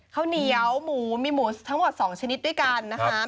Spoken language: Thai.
ข้าวเหนียวหมูมีหมูทั้งหมด๒ชนิดด้วยกันนะคะ